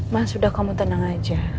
mas udah kamu tenang aja